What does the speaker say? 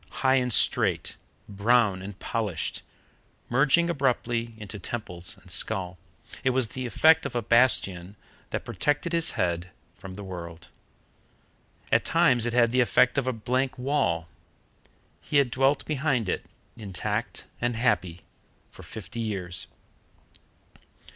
High and straight, brown and polished, merging abruptly into temples and skull, it has the effect of a bastion that protected his head from the world. At times it had the effect of a blank wall. He had dwelt behind it, intact and happy, for fifty years.